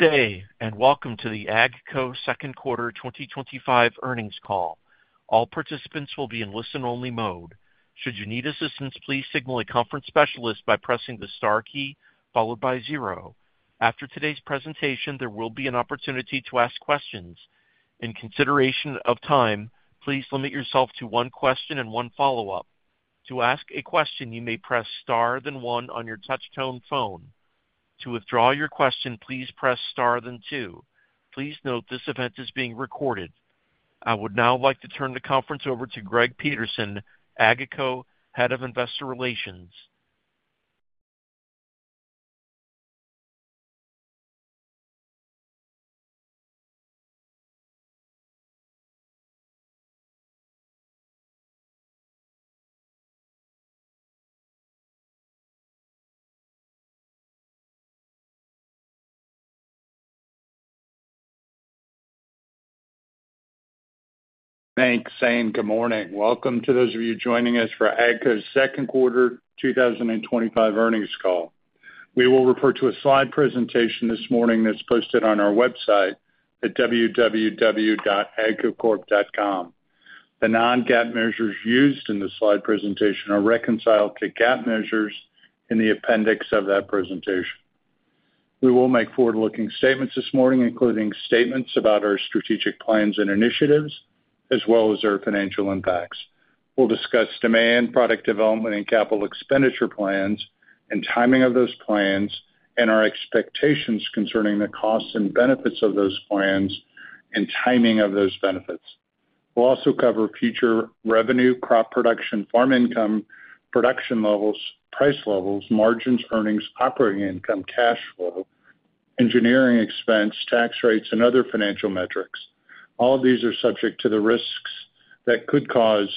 Today, and welcome to the AGCO Second Quarter 2025 Earnings Call. All participants will be in listen-only mode. Should you need assistance, please signal a conference specialist by pressing the star key followed by zero. After today's presentation, there will be an opportunity to ask questions. In consideration of time, please limit yourself to one question and one follow-up. To ask a question, you may press star then one on your touch-tone phone. To withdraw your question, please press star then two. Please note this event is being recorded. I would now like to turn the conference over to Greg Peterson, AGCO Head of Investor Relations. Thanks, Sam. Good morning. Welcome to those of you joining us for AGCO's Second Quarter 2025 Earnings Call. We will refer to a slide presentation this morning that's posted on our website at www.agcocorp.com. The non-GAAP measures used in the slide presentation are reconciled to GAAP measures in the appendix of that presentation. We will make forward-looking statements this morning, including statements about our strategic plans and initiatives, as well as our financial impacts. We'll discuss demand, product development, and capital expenditure plans, and timing of those plans, and our expectations concerning the costs and benefits of those plans, and timing of those benefits. We'll also cover future revenue, crop production, farm income, production levels, price levels, margins, earnings, operating income, cash flow, engineering expense, tax rates, and other financial metrics. All of these are subject to the risks that could cause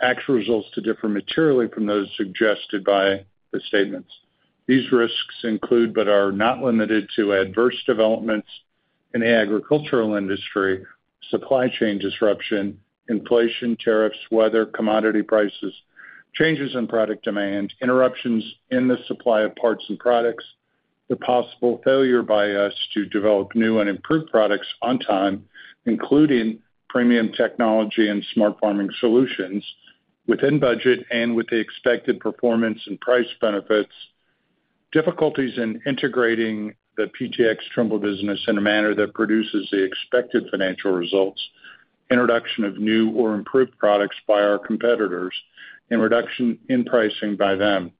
actual results to differ materially from those suggested by the statements. These risks include, but are not limited to, adverse developments in the agricultural industry, supply chain disruption, inflation, tariffs, weather, commodity prices, changes in product demand, interruptions in the supply of parts and products, the possible failure by us to develop new and improved products on time, including premium technology and smart farming solutions within budget and with the expected performance and price benefits, difficulties in integrating the PTx Trimble business in a manner that produces the expected financial results, introduction of new or improved products by our competitors, and reduction in pricing by them,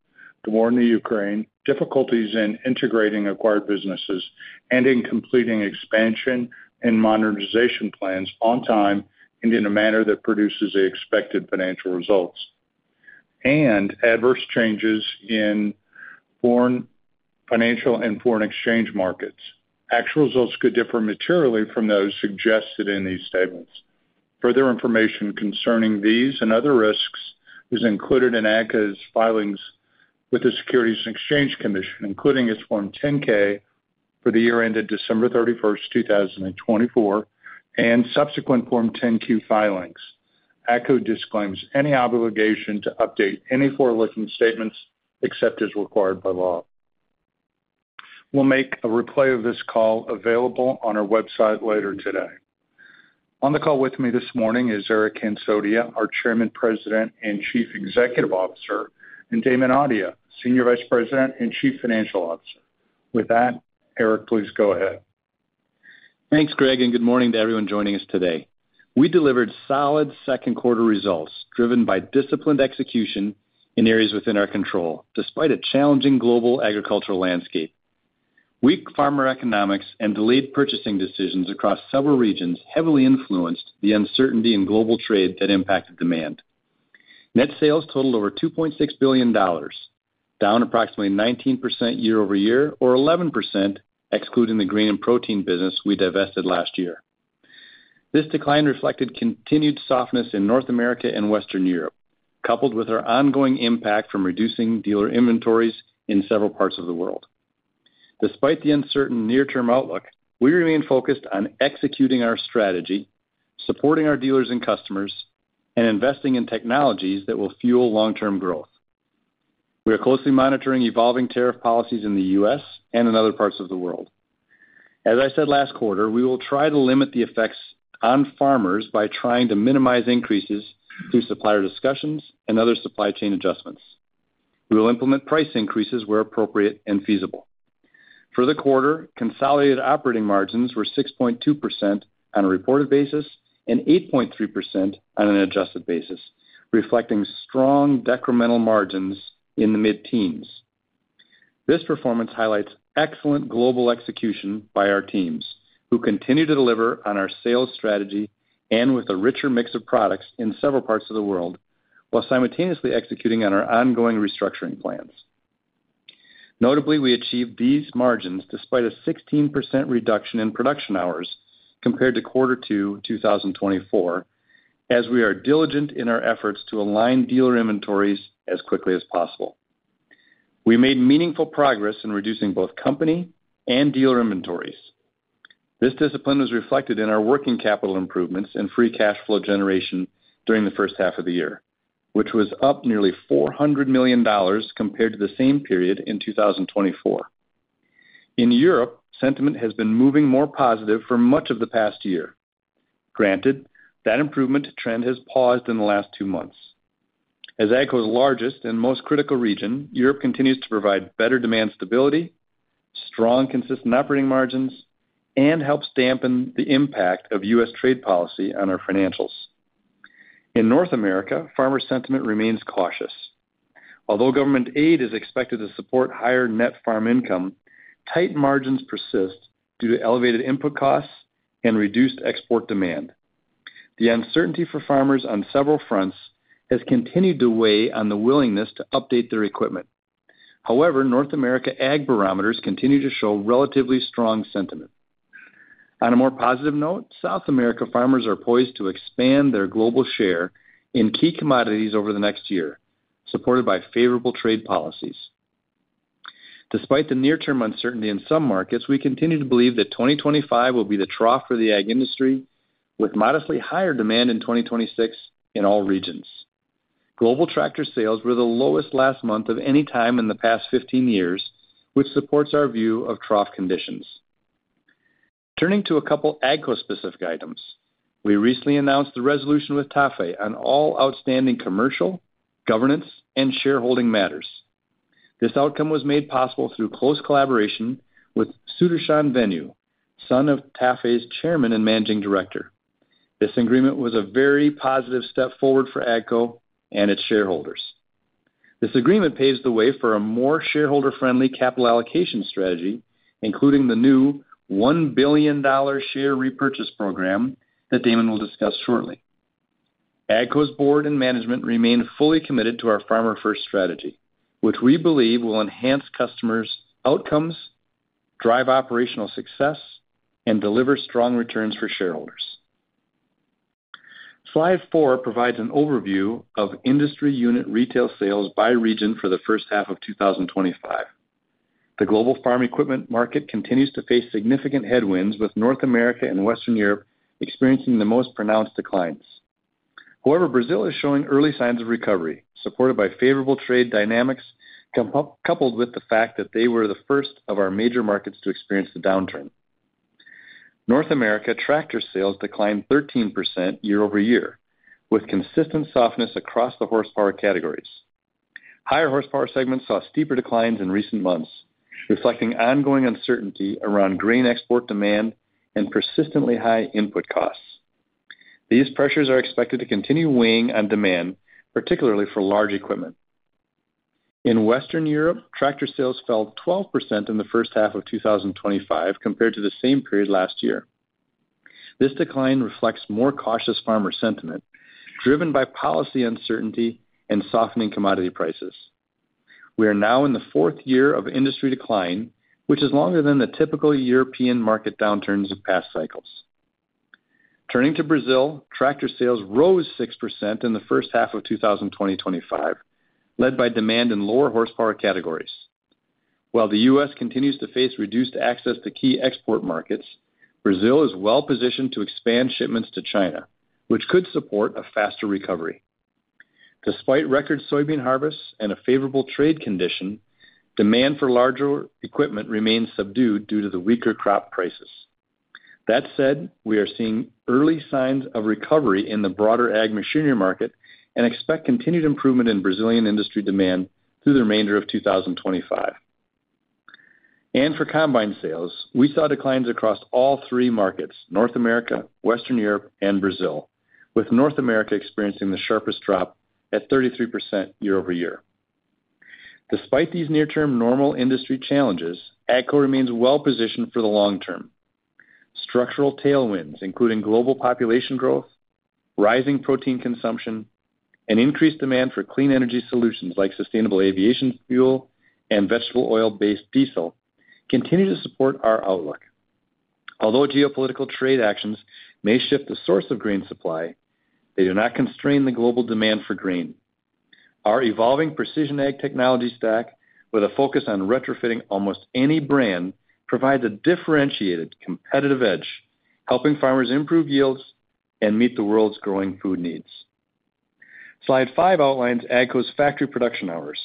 the war in the Ukraine, difficulties in integrating acquired businesses, and in completing expansion and modernization plans on time and in a manner that produces the expected financial results, and adverse changes in foreign financial and foreign exchange markets. Actual results could differ materially from those suggested in these statements. Further information concerning these and other risks is included in AGCO's filings with the Securities and Exchange Commission, including its Form 10-K for the year ended December 31, 2024, and subsequent Form 10-Q filings. AGCO disclaims any obligation to update any forward-looking statements except as required by law. We'll make a replay of this call available on our website later today. On the call with me this morning is Eric Hansotia, our Chairman, President, and Chief Executive Officer, and Damon Audia, Senior Vice President and Chief Financial Officer. With that, Eric, please go ahead. Thanks, Greg, and good morning to everyone joining us today. We delivered solid second quarter results driven by disciplined execution in areas within our control, despite a challenging global agricultural landscape. Weak farmer economics and delayed purchasing decisions across several regions heavily influenced the uncertainty in global trade that impacted demand. Net sales totaled over $2.6 billion, down approximately 19% year-over-year, or 11% excluding the grain and protein business we divested last year. This decline reflected continued softness in North America and Western Europe, coupled with our ongoing impact from reducing dealer inventories in several parts of the world. Despite the uncertain near-term outlook, we remain focused on executing our strategy, supporting our dealers and customers, and investing in technologies that will fuel long-term growth. We are closely monitoring evolving tariff policies in the U.S. and in other parts of the world. As I said last quarter, we will try to limit the effects on farmers by trying to minimize increases through supplier discussions and other supply chain adjustments. We will implement price increases where appropriate and feasible. For the quarter, consolidated operating margins were 6.2% on a reported basis and 8.3% on an adjusted basis, reflecting strong decremental margins in the mid-teens. This performance highlights excellent global execution by our teams, who continue to deliver on our sales strategy and with a richer mix of products in several parts of the world, while simultaneously executing on our ongoing restructuring plans. Notably, we achieved these margins despite a 16% reduction in production hours compared to Q2 2024, as we are diligent in our efforts to align dealer inventories as quickly as possible. We made meaningful progress in reducing both company and dealer inventories. This discipline was reflected in our working capital improvements and free cash flow generation during the first half of the year, which was up nearly $400 million compared to the same period in 2024. In Europe, sentiment has been moving more positive for much of the past year. Granted, that improvement trend has paused in the last two months. As AGCO's largest and most critical region, Europe continues to provide better demand stability, strong consistent operating margins, and helps dampen the impact of U.S. trade policy on our financials. In North America, farmer sentiment remains cautious. Although government aid is expected to support higher net farm income, tight margins persist due to elevated input costs and reduced export demand. The uncertainty for farmers on several fronts has continued to weigh on the willingness to update their equipment. However, North America ag barometers continue to show relatively strong sentiment. On a more positive note, South America farmers are poised to expand their global share in key commodities over the next year, supported by favorable trade policies. Despite the near-term uncertainty in some markets, we continue to believe that 2025 will be the trough for the ag industry, with modestly higher demand in 2026 in all regions. Global tractor sales were the lowest last month of any time in the past 15 years, which supports our view of trough conditions. Turning to a couple of AGCO-specific items, we recently announced the resolution with TAFE on all outstanding commercial, governance, and shareholding matters. This outcome was made possible through close collaboration with Sudershan Venu, son of TAFE's Chairman and Managing Director. This agreement was a very positive step forward for AGCO and its shareholders. This agreement paves the way for a more shareholder-friendly capital allocation strategy, including the new $1 billion share repurchase program that Damon will discuss shortly. AGCO's Board and management remain fully committed to our farmer-first strategy, which we believe will enhance customers' outcomes, drive operational success, and deliver strong returns for shareholders. Slide four provides an overview of industry unit retail sales by region for the first half of 2025. The global farm equipment market continues to face significant headwinds, with North America and Western Europe experiencing the most pronounced declines. However, Brazil is showing early signs of recovery, supported by favorable trade dynamics, coupled with the fact that they were the first of our major markets to experience the downturn. North America tractor sales declined 13% year-over-year, with consistent softness across the horsepower categories. Higher horsepower segments saw steeper declines in recent months, reflecting ongoing uncertainty around grain export demand and persistently high input costs. These pressures are expected to continue weighing on demand, particularly for large equipment. In Western Europe, tractor sales fell 12% in the first half of 2025 compared to the same period last year. This decline reflects more cautious farmer sentiment, driven by policy uncertainty and softening commodity prices. We are now in the fourth year of industry decline, which is longer than the typical European market downturns of past cycles. Turning to Brazil, tractor sales rose 6% in the first half of 2025, led by demand in lower horsepower categories. While the U.S. continues to face reduced access to key export markets, Brazil is well-positioned to expand shipments to China, which could support a faster recovery. Despite record soybean harvests and a favorable trade condition, demand for larger equipment remains subdued due to the weaker crop prices. That said, we are seeing early signs of recovery in the broader ag machinery market and expect continued improvement in Brazilian industry demand through the remainder of 2025. For combine sales, we saw declines across all three markets: North America, Western Europe, and Brazil, with North America experiencing the sharpest drop at 33% year-over-year. Despite these near-term normal industry challenges, AGCO remains well-positioned for the long term. Structural tailwinds, including global population growth, rising protein consumption, and increased demand for clean energy solutions like sustainable aviation fuel and vegetable oil-based diesel, continue to support our outlook. Although geopolitical trade actions may shift the source of grain supply, they do not constrain the global demand for grain. Our evolving Precision Ag technology stack, with a focus on retrofitting almost any brand, provides a differentiated competitive edge, helping farmers improve yields and meet the world's growing food needs. Slide five outlines AGCO's factory production hours.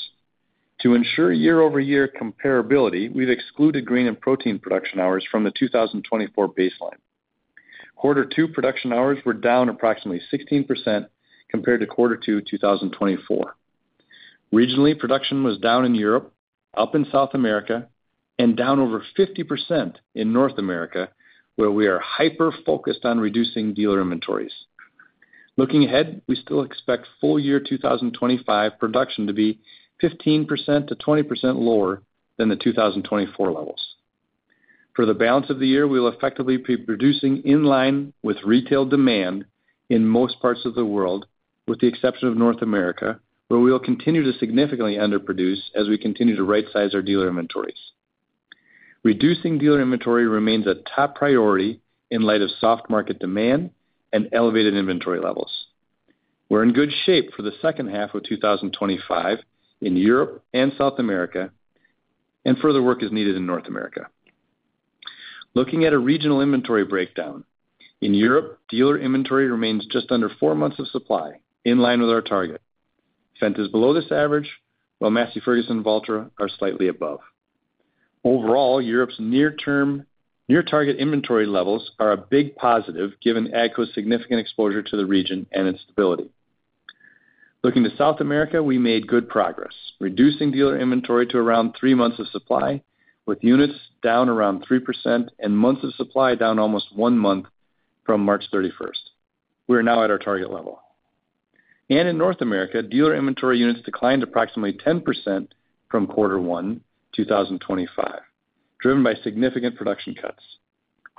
To ensure year-over-year comparability, we've excluded grain and protein production hours from the 2024 baseline. Quarter two production hours were down approximately 16% compared to quarter two 2024. Regionally, production was down in Europe, up in South America, and down over 50% in North America, where we are hyper-focused on reducing dealer inventories. Looking ahead, we still expect full-year 2025 production to be 15% to 20% lower than the 2024 levels. For the balance of the year, we will effectively be producing in line with retail demand in most parts of the world, with the exception of North America, where we will continue to significantly underproduce as we continue to right-size our dealer inventories. Reducing dealer inventory remains a top priority in light of soft market demand and elevated inventory levels. We're in good shape for the second half of 2025 in Europe and South America, and further work is needed in North America. Looking at a regional inventory breakdown, in Europe, dealer inventory remains just under four months of supply, in line with our target. Fendt is below this average, while Massey Ferguson and Valtra are slightly above. Overall, Europe's near-term near-target inventory levels are a big positive, given AGCO's significant exposure to the region and its stability. Looking to South America, we made good progress, reducing dealer inventory to around three months of supply, with units down around 3% and months of supply down almost one month from March 31. We are now at our target level. In North America, dealer inventory units declined approximately 10% from quarter one, 2025, driven by significant production cuts.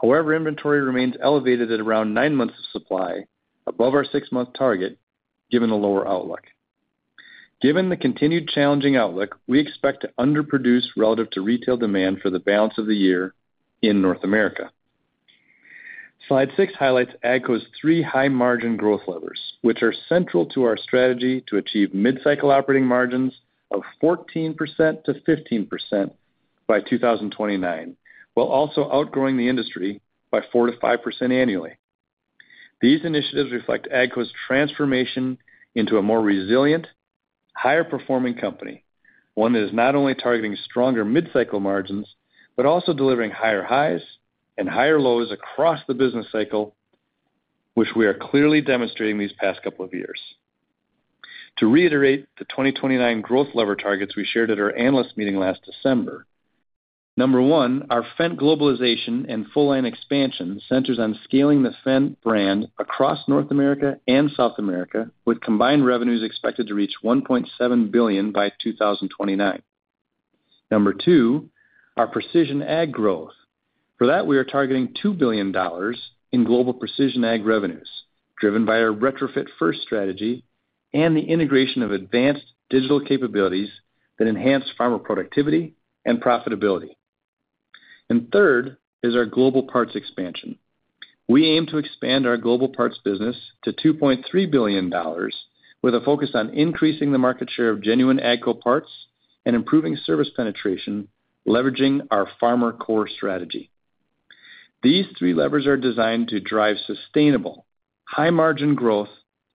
However, inventory remains elevated at around nine months of supply, above our six-month target, given a lower outlook. Given the continued challenging outlook, we expect to underproduce relative to retail demand for the balance of the year in North America. Slide six highlights AGCO's three high-margin growth levers, which are central to our strategy to achieve mid-cycle operating margins of 14% to 15% by 2029, while also outgrowing the industry by 4% to 5% annually. These initiatives reflect AGCO's transformation into a more resilient, higher-performing company, one that is not only targeting stronger mid-cycle margins but also delivering higher highs and higher lows across the business cycle, which we are clearly demonstrating these past couple of years. To reiterate the 2029 growth lever targets we shared at our analyst meeting last December, number one, our Fendt globalization and full-line expansion centers on scaling the Fendt brand across North America and South America, with combined revenues expected to reach $1.7 billion by 2029. Number two, our Precision Ag growth. For that, we are targeting $2 billion in global Precision Ag revenues, driven by our retrofit-first strategy and the integration of advanced digital capabilities that enhance farmer productivity and profitability. Third is our global parts expansion. We aim to expand our global parts business to $2.3 billion, with a focus on increasing the market share of genuine AGCO parts and improving service penetration, leveraging our FarmerCore strategy. These three levers are designed to drive sustainable high-margin growth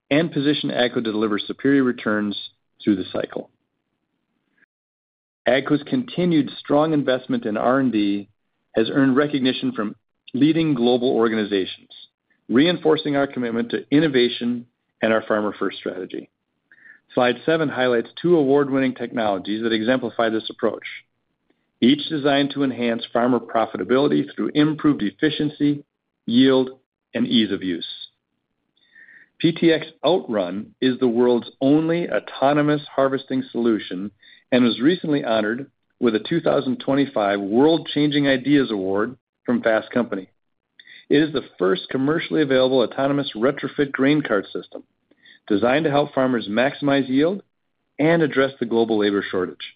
and position AGCO to deliver superior returns through the cycle. AGCO's continued strong investment in R&D has earned recognition from leading global organizations, reinforcing our commitment to innovation and our farmer-first strategy. Slide seven highlights two award-winning technologies that exemplify this approach, each designed to enhance farmer profitability through improved efficiency, yield, and ease of use. PTx OutRun is the world's only autonomous harvesting solution and was recently honored with a 2025 World Changing Ideas Award from Fast Company. It is the first commercially available autonomous retrofit grain cart system designed to help farmers maximize yield and address the global labor shortage.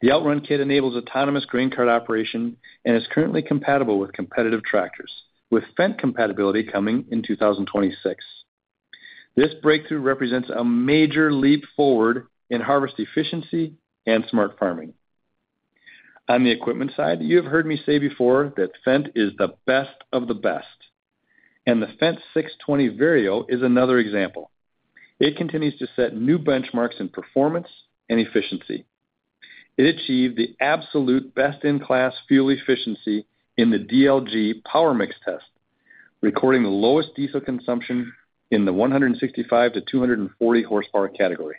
The OutRun kit enables autonomous grain cart operation and is currently compatible with competitive tractors, with Fendt compatibility coming in 2026. This breakthrough represents a major leap forward in harvest efficiency and smart farming. On the equipment side, you have heard me say before that Fendt is the best of the best, and the Fendt 620 Vario is another example. It continues to set new benchmarks in performance and efficiency. It achieved the absolute best-in-class fuel efficiency in the DLG power mix test, recording the lowest diesel consumption in the 165-240 horsepower category.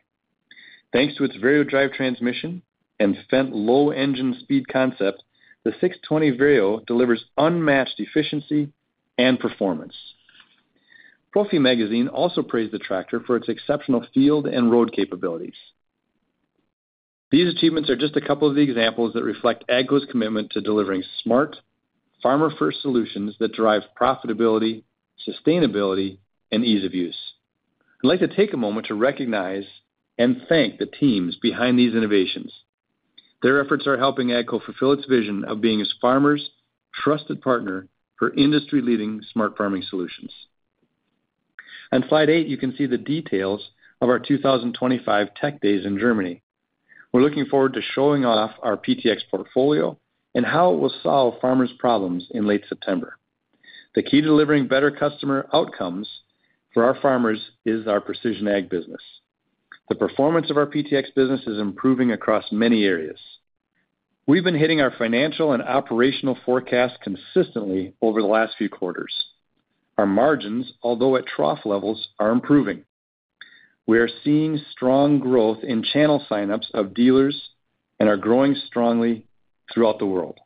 Thanks to its VarioDrive transmission and Fendt low-engine speed concept, the 620 Vario delivers unmatched efficiency and performance. Profi Magazine also praised the tractor for its exceptional field and road capabilities. These achievements are just a couple of the examples that reflect AGCO's commitment to delivering smart farmer-first solutions that drive profitability, sustainability, and ease of use. I'd like to take a moment to recognize and thank the teams behind these innovations. Their efforts are helping AGCO fulfill its vision of being a farmer's trusted partner for industry-leading smart farming solutions. On slide eight, you can see the details of our 2025 Tech Days in Germany. We're looking forward to showing off our PTx portfolio and how it will solve farmers' problems in late September. The key to delivering better customer outcomes for our farmers is our Precision Ag business. The performance of our PTx business is improving across many areas. We've been hitting our financial and operational forecasts consistently over the last few quarters. Our margins, although at trough levels, are improving. We are seeing strong growth in channel signups of dealers and are growing strongly throughout the world.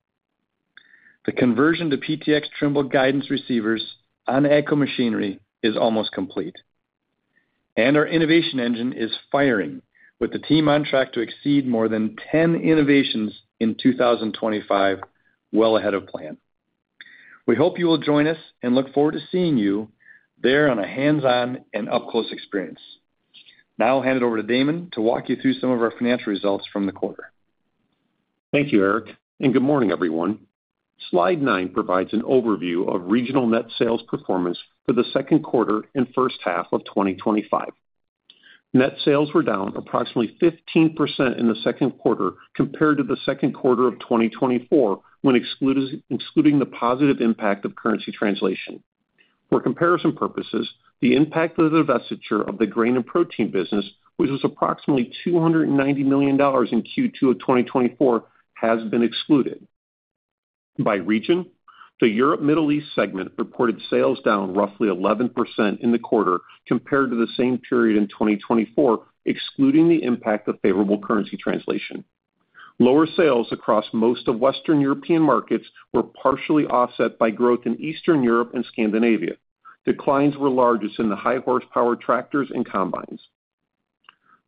The conversion to PTx Trimble guidance receivers on AGCO machinery is almost complete, and our innovation engine is firing, with the team on track to exceed more than 10 innovations in 2025, well ahead of plan. We hope you will join us and look forward to seeing you there on a hands-on and up-close experience. Now I'll hand it over to Damon to walk you through some of our financial results from the quarter. Thank you, Eric, and good morning, everyone. Slide nine provides an overview of regional net sales performance for the second quarter and first half of 2025. Net sales were down approximately 15% in the second quarter compared to the second quarter of 2024, when excluding the positive impact of currency translation. For comparison purposes, the impact of the divestiture of the grain and protein business, which was approximately $290 million in Q2 of 2024, has been excluded. By region, the Europe-Middle East segment reported sales down roughly 11% in the quarter compared to the same period in 2024, excluding the impact of favorable currency translation. Lower sales across most of Western European markets were partially offset by growth in Eastern Europe and Scandinavia. Declines were largest in the high horsepower tractors and combines.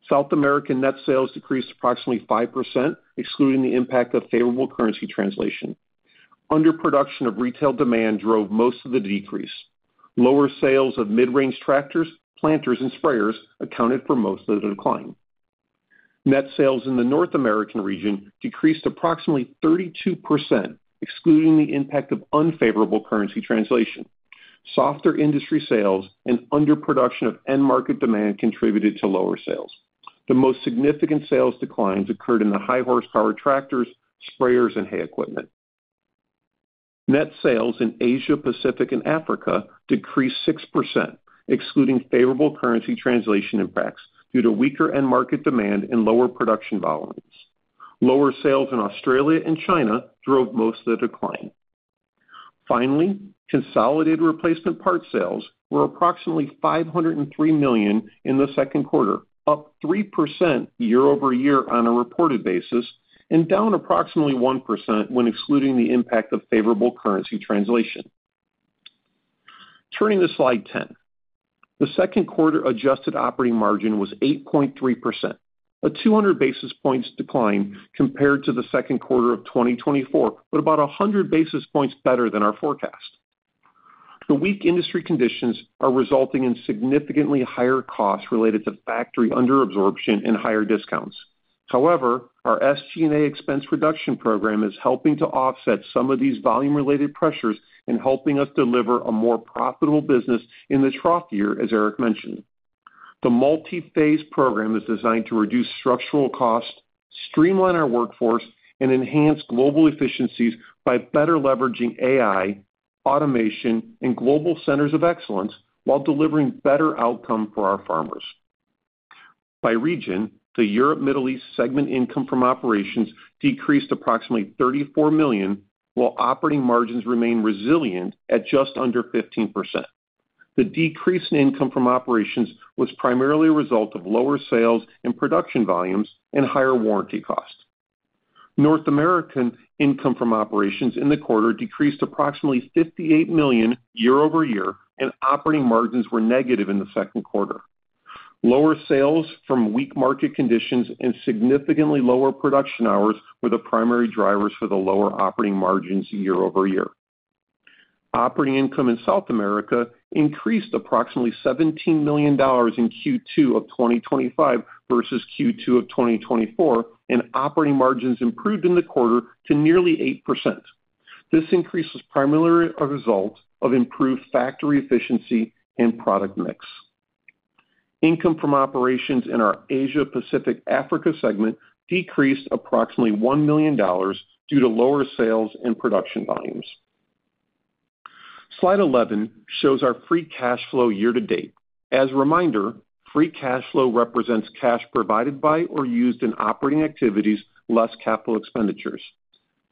South American net sales decreased approximately 5%, excluding the impact of favorable currency translation. Underproduction of retail demand drove most of the decrease. Lower sales of mid-range tractors, planters, and sprayers accounted for most of the decline. Net sales in the North American region decreased approximately 32%, excluding the impact of unfavorable currency translation. Softer industry sales and underproduction of end-market demand contributed to lower sales. The most significant sales declines occurred in the high horsepower tractors, sprayers, and hay equipment. Net sales in Asia, Pacific, and Africa decreased 6%, excluding favorable currency translation impacts due to weaker end-market demand and lower production volumes. Lower sales in Australia and China drove most of the decline. Finally, consolidated replacement part sales were approximately $503 million in the second quarter, up 3% year-over-year on a reported basis, and down approximately 1% when excluding the impact of favorable currency translation. Turning to slide 10, the second quarter adjusted operating margin was 8.3%, a 200 basis points decline compared to the second quarter of 2024, but about 100 basis points better than our forecast. The weak industry conditions are resulting in significantly higher costs related to factory underabsorption and higher discounts. However, our SG&A expense reduction program is helping to offset some of these volume-related pressures and helping us deliver a more profitable business in the trough year, as Eric mentioned. The multi-phase program is designed to reduce structural costs, streamline our workforce, and enhance global efficiencies by better leveraging AI, automation, and global centers of excellence, while delivering better outcomes for our farmers. By region, the Europe-Middle East segment income from operations decreased approximately $34 million, while operating margins remain resilient at just under 15%. The decrease in income from operations was primarily a result of lower sales and production volumes and higher warranty costs. North American income from operations in the quarter decreased approximately $58 million year-over-year, and operating margins were negative in the second quarter. Lower sales from weak market conditions and significantly lower production hours were the primary drivers for the lower operating margins year-over-year. Operating income in South America increased approximately $17 million in Q2 of 2025 versus Q2 of 2024, and operating margins improved in the quarter to nearly 8%. This increase was primarily a result of improved factory efficiency and product mix. Income from operations in our Asia-Pacific Africa segment decreased approximately $1 million due to lower sales and production volumes. Slide 11 shows our free cash flow year to date. As a reminder, free cash flow represents cash provided by or used in operating activities, less capital expenditures.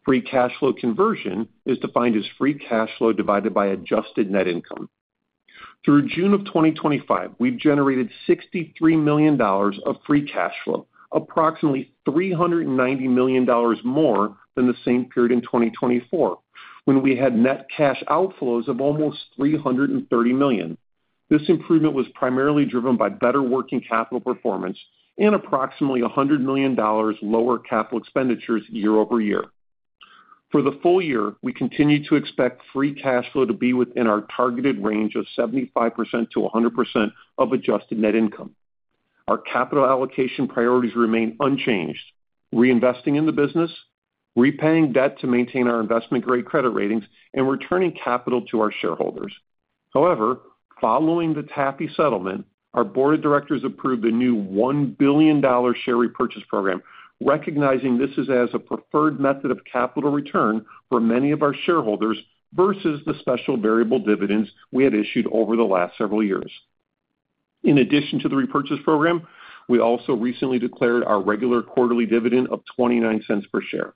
Free cash flow conversion is defined as free cash flow divided by adjusted net income. Through June of 2025, we've generated $63 million of free cash flow, approximately $390 million more than the same period in 2024, when we had net cash outflows of almost $330 million. This improvement was primarily driven by better working capital performance and approximately $100 million lower capital expenditures year-over-year. For the full year, we continue to expect free cash flow to be within our targeted range of 75% to 100% of adjusted net income. Our capital allocation priorities remain unchanged, reinvesting in the business, repaying debt to maintain our investment-grade credit ratings, and returning capital to our shareholders. However, following the TAPI settlement, our board of directors approved the new $1 billion share repurchase program, recognizing this as a preferred method of capital return for many of our shareholders versus the special variable dividends we had issued over the last several years. In addition to the repurchase program, we also recently declared our regular quarterly dividend of $0.29 per share.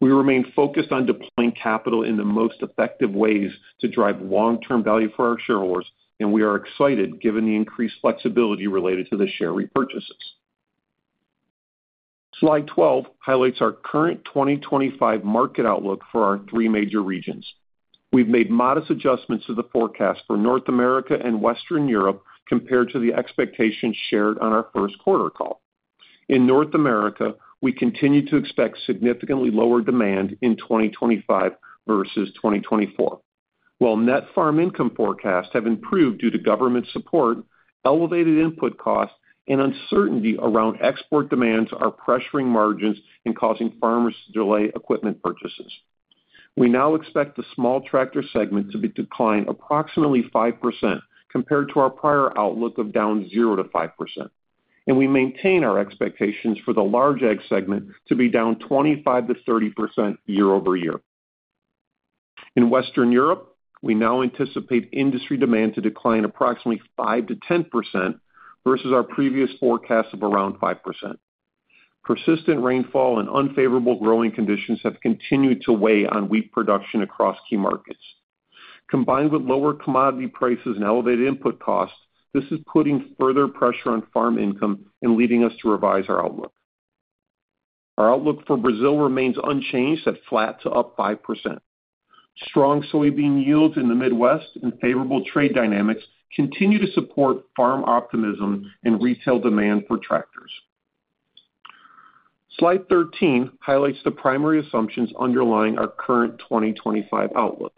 We remain focused on deploying capital in the most effective ways to drive long-term value for our shareholders, and we are excited given the increased flexibility related to the share repurchases. Slide 12 highlights our current 2025 market outlook for our three major regions. We've made modest adjustments to the forecast for North America and Western Europe compared to the expectations shared on our first quarter call. In North America, we continue to expect significantly lower demand in 2025 versus 2024. While net farm income forecasts have improved due to government support, elevated input costs and uncertainty around export demands are pressuring margins and causing farmers to delay equipment purchases. We now expect the small tractor segment to decline approximately 5% compared to our prior outlook of down 0% to 5%, and we maintain our expectations for the large ag segment to be down 25% to 30% year-over-year. In Western Europe, we now anticipate industry demand to decline approximately 5% to 10% versus our previous forecast of around 5%. Persistent rainfall and unfavorable growing conditions have continued to weigh on wheat production across key markets. Combined with lower commodity prices and elevated input costs, this is putting further pressure on farm income and leading us to revise our outlook. Our outlook for Brazil remains unchanged at flat to up 5%. Strong soybean yields in the Midwest and favorable trade dynamics continue to support farm optimism and retail demand for tractors. Slide 13 highlights the primary assumptions underlying our current 2025 outlook.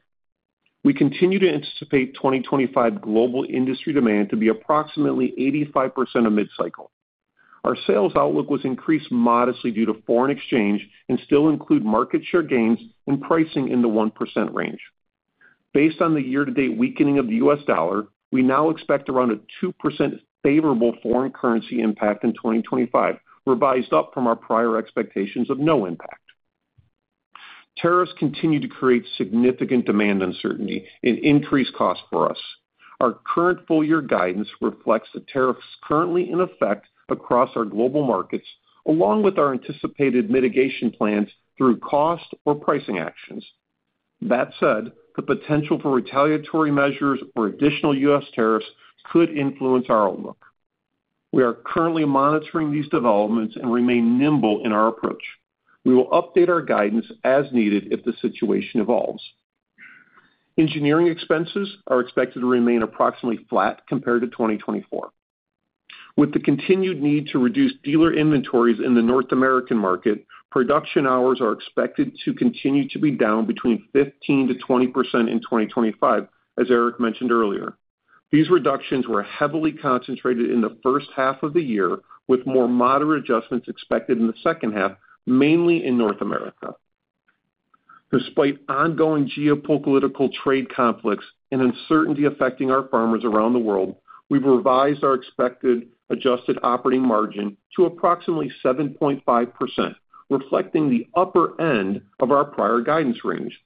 We continue to anticipate 2025 global industry demand to be approximately 85% of mid-cycle. Our sales outlook was increased modestly due to foreign exchange and still includes market share gains and pricing in the 1% range. Based on the year-to-date weakening of the U.S. dollar, we now expect around a 2% favorable foreign currency impact in 2025, revised up from our prior expectations of no impact. Tariffs continue to create significant demand uncertainty and increased costs for us. Our current full-year guidance reflects the tariffs currently in effect across our global markets, along with our anticipated mitigation plans through cost or pricing actions. That said, the potential for retaliatory measures or additional U.S. tariffs could influence our outlook. We are currently monitoring these developments and remain nimble in our approach. We will update our guidance as needed if the situation evolves. Engineering expenses are expected to remain approximately flat compared to 2024. With the continued need to reduce dealer inventories in the North American market, production hours are expected to continue to be down between 15% to 20% in 2025, as Eric mentioned earlier. These reductions were heavily concentrated in the first half of the year, with more moderate adjustments expected in the second half, mainly in North America. Despite ongoing geopolitical trade conflicts and uncertainty affecting our farmers around the world, we've revised our expected adjusted operating margin to approximately 7.5%, reflecting the upper end of our prior guidance range.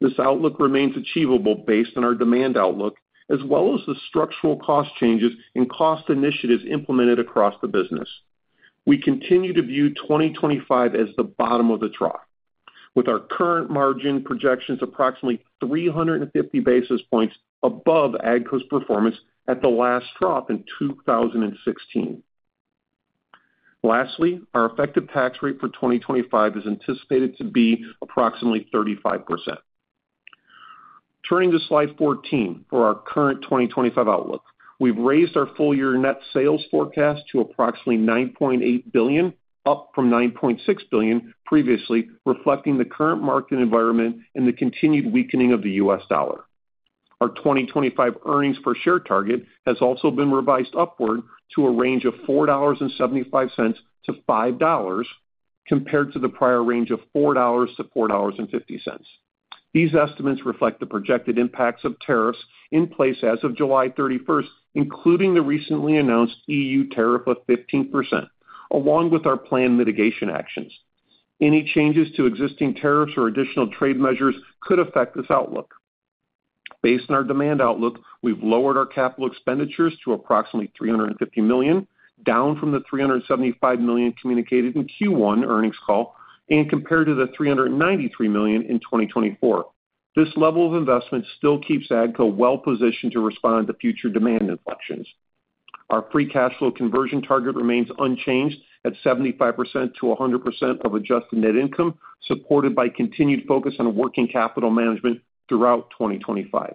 This outlook remains achievable based on our demand outlook, as well as the structural cost changes and cost initiatives implemented across the business. We continue to view 2025 as the bottom of the trough, with our current margin projections approximately 350 basis points above AGCO's performance at the last trough in 2016. Lastly, our effective tax rate for 2025 is anticipated to be approximately 35%. Turning to slide 14 for our current 2025 outlook, we've raised our full-year net sales forecast to approximately $9.8 billion, up from $9.6 billion previously, reflecting the current market environment and the continued weakening of the U.S. dollar. Our 2025 earnings per share target has also been revised upward to a range of $4.75 to $5 compared to the prior range of $4 to $4.50. These estimates reflect the projected impacts of tariffs in place as of July 31, including the recently announced EU tariff of 15%, along with our planned mitigation actions. Any changes to existing tariffs or additional trade measures could affect this outlook. Based on our demand outlook, we've lowered our capital expenditures to approximately $350 million, down from the $375 million communicated in Q1 earnings call and compared to the $393 million in 2024. This level of investment still keeps AGCO well-positioned to respond to future demand inflections. Our free cash flow conversion target remains unchanged at 75% to 100% of adjusted net income, supported by continued focus on working capital management throughout 2025.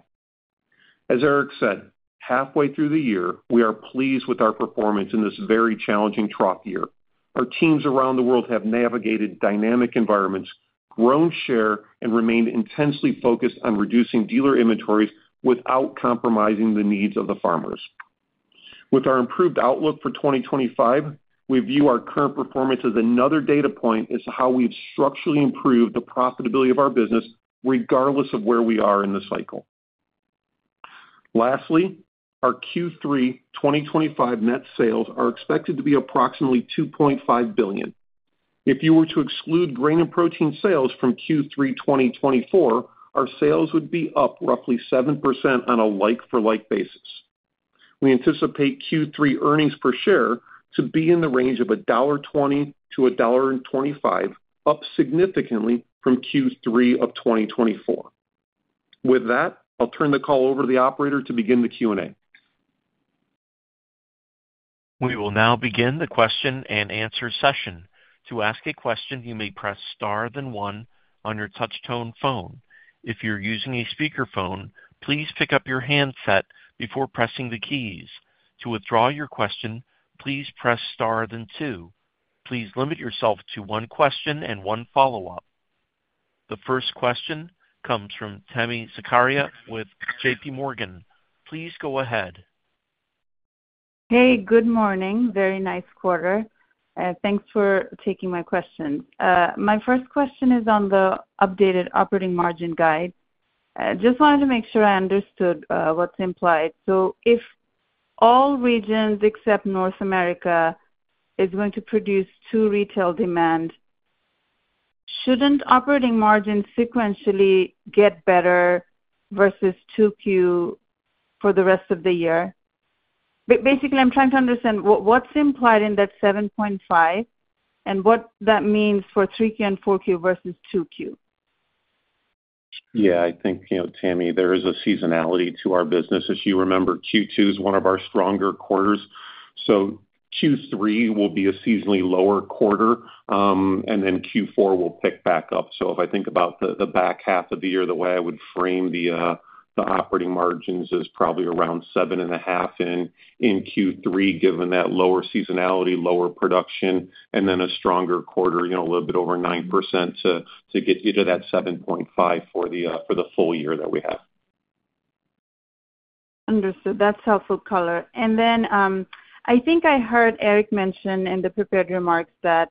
As Eric said, halfway through the year, we are pleased with our performance in this very challenging trough year. Our teams around the world have navigated dynamic environments, grown share, and remained intensely focused on reducing dealer inventories without compromising the needs of the farmers. With our improved outlook for 2025, we view our current performance as another data point as to how we've structurally improved the profitability of our business, regardless of where we are in the cycle. Lastly, our Q3 2025 net sales are expected to be approximately $2.5 billion. If you were to exclude grain and protein sales from Q3 2024, our sales would be up roughly 7% on a like-for-like basis. We anticipate Q3 earnings per share to be in the range of $1.20 to $1.25, up significantly from Q3 of 2024. With that, I'll turn the call over to the operator to begin the Q&A. We will now begin the question and answer session. To ask a question, you may press star then one on your touch-tone phone. If you're using a speakerphone, please pick up your handset before pressing the keys. To withdraw your question, please press star then two. Please limit yourself to one question and one follow-up. The first question comes from Tami Zakaria with JPMorgan. Please go ahead. Hey, good morning. Very nice quarter. Thanks for taking my questions. My first question is on the updated operating margin guide. I just wanted to make sure I understood what's implied. If all regions except North America are going to produce to retail demand, shouldn't operating margins sequentially get better versus 2Q for the rest of the year? Basically, I'm trying to understand what's implied in that 7.5% and what that means for 3Q and 4Q versus 2Q. Yeah, I think, you know, Tammy, there is a seasonality to our business. As you remember, Q2 is one of our stronger quarters. Q3 will be a seasonally lower quarter, and then Q4 will pick back up. If I think about the back half of the year, the way I would frame the operating margins is probably around 7.5% in Q3, given that lower seasonality, lower production, and then a stronger quarter, you know, a little bit over 9% to get you to that 7.5% for the full year that we have. Understood. That's helpful, Carla. I think I heard Eric mention in the prepared remarks that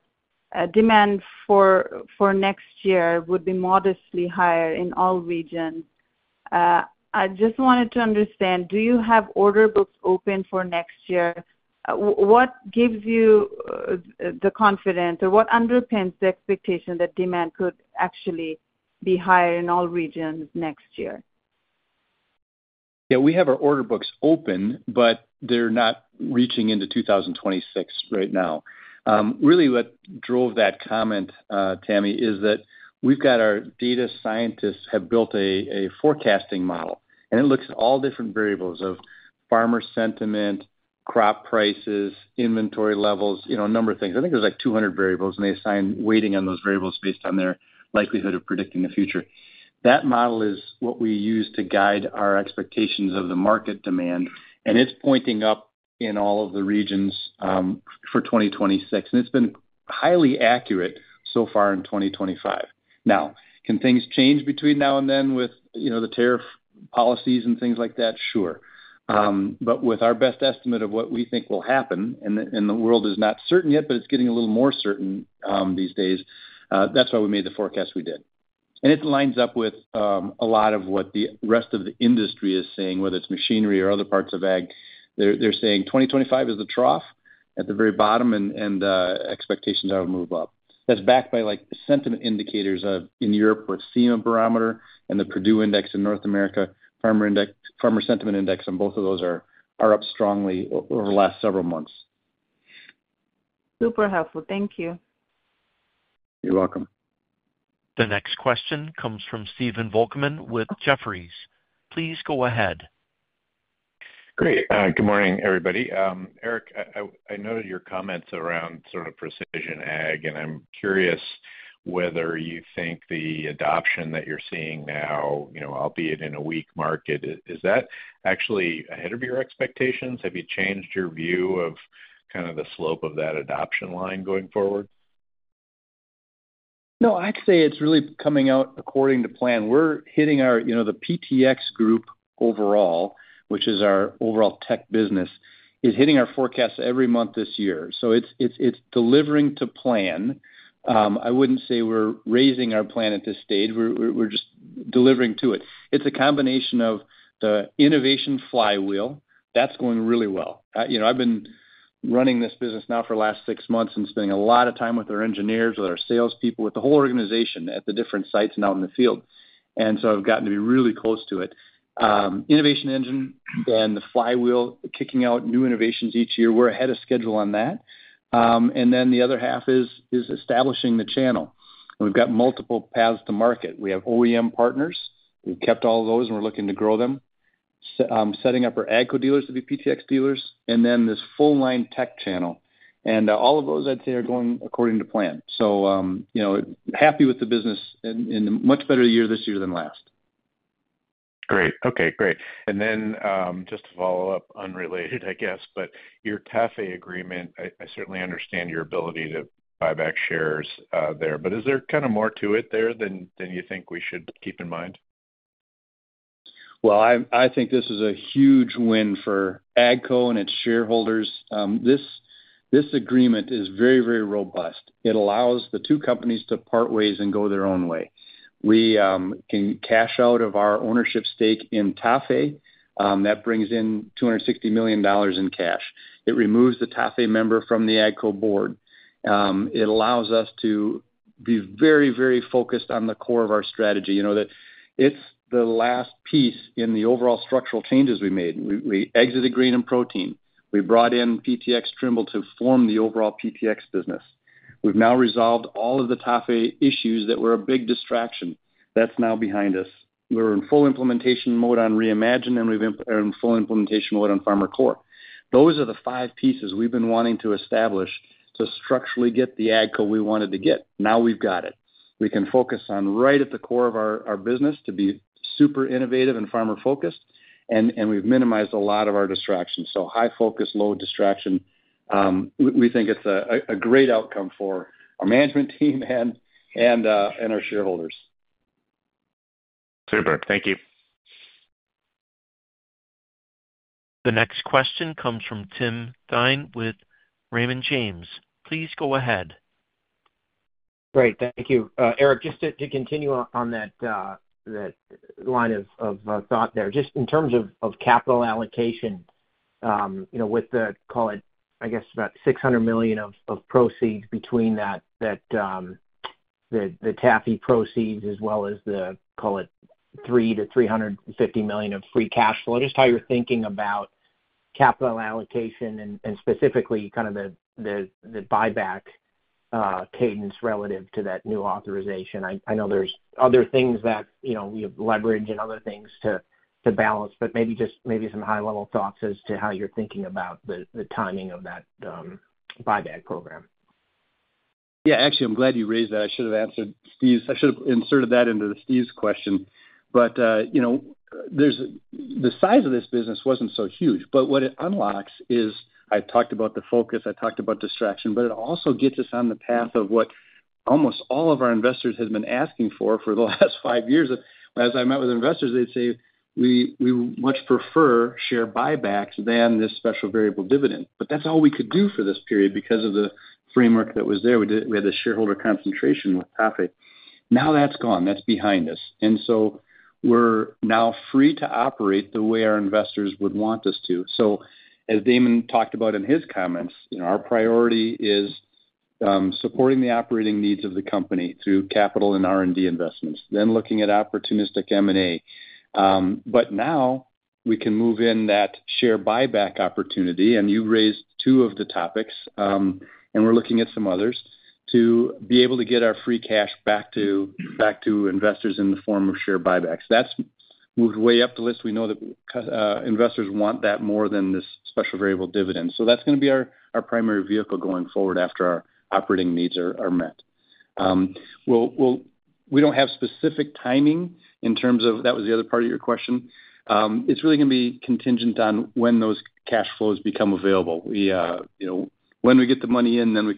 demand for next year would be modestly higher in all regions. I just wanted to understand, do you have order books open for next year? What gives you the confidence or what underpins the expectation that demand could actually be higher in all regions next year? Yeah, we have our order books open, but they're not reaching into 2026 right now. What drove that comment, Tammy, is that we've got our data scientists have built a forecasting model, and it looks at all different variables of farmer sentiment, crop prices, inventory levels, a number of things. I think there's like 200 variables, and they assign weighting on those variables based on their likelihood of predicting the future. That model is what we use to guide our expectations of the market demand, and it's pointing up in all of the regions for 2026. It's been highly accurate so far in 2025. Now, can things change between now and then with the tariff policies and things like that? Sure. With our best estimate of what we think will happen, and the world is not certain yet, but it's getting a little more certain these days, that's why we made the forecast we did. It lines up with a lot of what the rest of the industry is saying, whether it's machinery or other parts of ag. They're saying 2025 is the trough at the very bottom, and expectations are to move up. That's backed by sentiment indicators in Europe with CEMA Barometer and the Purdue Index in North America, Farmer Sentiment Index, and both of those are up strongly over the last several months. Super helpful. Thank you. You're welcome. The next question comes from Stephen Volkmann with Jefferies. Please go ahead. Great. Good morning, everybody. Eric, I noted your comments around sort of Precision Ag, and I'm curious whether you think the adoption that you're seeing now, you know, albeit in a weak market, is that actually ahead of your expectations? Have you changed your view of kind of the slope of that adoption line going forward? No, I'd say it's really coming out according to plan. We're hitting our, you know, the PTx group overall, which is our overall tech business, is hitting our forecasts every month this year. It's delivering to plan. I wouldn't say we're raising our plan at this stage. We're just delivering to it. It's a combination of the innovation flywheel. That's going really well. I've been running this business now for the last six months and spending a lot of time with our engineers, with our salespeople, with the whole organization at the different sites and out in the field. I've gotten to be really close to it, innovation engine and the flywheel kicking out new innovations each year. We're ahead of schedule on that. The other half is establishing the channel. We've got multiple paths to market. We have OEM partners. We've kept all of those, and we're looking to grow them, setting up our AGCO dealers to be PTx dealers, and then this full-line tech channel. All of those, I'd say, are going according to plan. Happy with the business in a much better year this year than last. Great. Okay, great. Just to follow up, unrelated, I guess, but your TAFE agreement, I certainly understand your ability to buy back shares there. Is there kind of more to it there than you think we should keep in mind? I think this is a huge win for AGCO and its shareholders. This agreement is very, very robust. It allows the two companies to part ways and go their own way. We can cash out of our ownership stake in TAFE. That brings in $260 million in cash. It removes the TAFE member from the AGCO board. It allows us to be very, very focused on the core of our strategy. You know, that it's the last piece in the overall structural changes we made. We exited grain and protein. We brought in PTx Trimble to form the overall PTx business. We've now resolved all of the TAFE issues that were a big distraction. That's now behind us. We're in full implementation mode on Reimagine, and we're in full implementation mode on FarmerCore. Those are the five pieces we've been wanting to establish to structurally get the AGCO we wanted to get. Now we've got it. We can focus on right at the core of our business to be super innovative and farmer-focused, and we've minimized a lot of our distractions. High focus, low distraction. We think it's a great outcome for our management team and our shareholders. Super. Thank you. The next question comes from Tim Thein with Raymond James. Please go ahead. Great. Thank you. Eric, just to continue on that line of thought there, just in terms of capital allocation, you know, with the, call it, I guess, about $600 million of proceeds between the TAFE proceeds, as well as the, call it, $300 to $350 million of free cash flow, just how you're thinking about capital allocation and specifically kind of the buyback cadence relative to that new authorization. I know there's other things that, you know, we have leveraged and other things to balance, but maybe just maybe some high-level thoughts as to how you're thinking about the timing of that buyback program. Yeah, actually, I'm glad you raised that. I should have answered Steve. I should have inserted that into Steve's question. The size of this business wasn't so huge. What it unlocks is I talked about the focus, I talked about distraction, but it also gets us on the path of what almost all of our investors have been asking for for the last five years. As I met with investors, they'd say we much prefer share buybacks than this special variable dividend. That's all we could do for this period because of the framework that was there. We had the shareholder concentration with TAFE. Now that's gone. That's behind us. We're now free to operate the way our investors would want us to. As Damon talked about in his comments, our priority is supporting the operating needs of the company through capital and R&D investments, then looking at opportunistic M&A. Now we can move in that share buyback opportunity, and you raised two of the topics, and we're looking at some others to be able to get our free cash back to investors in the form of share buybacks. That's moved way up the list. We know that investors want that more than this special variable dividend. That's going to be our primary vehicle going forward after our operating needs are met. We don't have specific timing in terms of that was the other part of your question. It's really going to be contingent on when those cash flows become available. When we get the money in, then we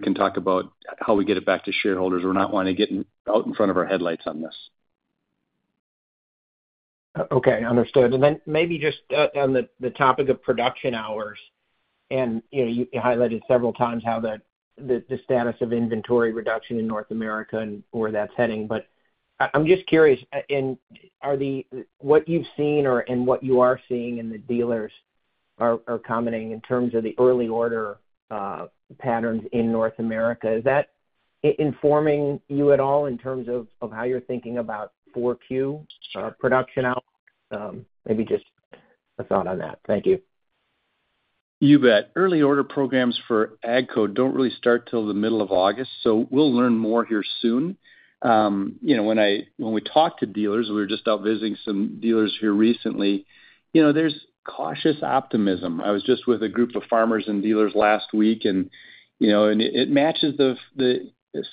can talk about how we get it back to shareholders. We're not wanting to get out in front of our headlights on this. Okay, understood. Maybe just on the topic of production hours, you highlighted several times how the status of inventory reduction in North America and where that's heading. I'm just curious, are the what you've seen and what you are seeing and the dealers are commenting in terms of the early order patterns in North America, is that informing you at all in terms of how you're thinking about 4Q production outlook? Maybe just a thought on that. Thank you. You bet. Early order programs for AGCO don't really start till the middle of August, so we'll learn more here soon. When we talk to dealers, we were just out visiting some dealers here recently. There's cautious optimism. I was just with a group of farmers and dealers last week, and it matches the